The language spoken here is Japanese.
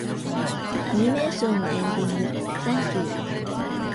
アニメーションのエンディング、「Thank you」。